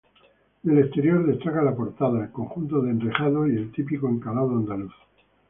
Del exterior destaca la portada, el conjunto de enrejados y el típico encalado andaluz.